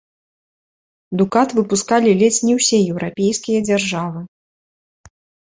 Дукат выпускалі ледзь не ўсе еўрапейскія дзяржавы.